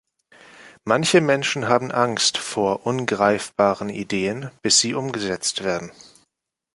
Manche Menschen haben Angst vor ungreifbaren Ideen, bis sie umgesetzt werden.